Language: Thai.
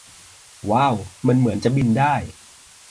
ว้าว มันเหมือนจะบินได้